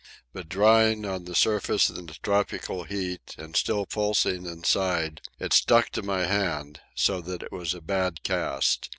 But, drying on the surface in the tropic heat and still pulsing inside, it stuck to my hand, so that it was a bad cast.